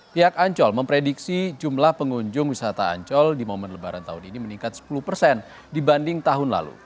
pihak ancol memprediksi jumlah pengunjung wisata ancol di momen lebaran tahun ini meningkat sepuluh persen dibanding tahun lalu